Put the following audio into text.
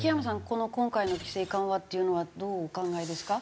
この今回の規制緩和っていうのはどうお考えですか？